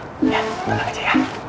ya tenang aja ya